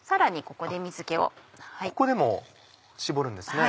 ここでも絞るんですね。